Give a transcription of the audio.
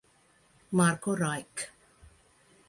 Marco Reich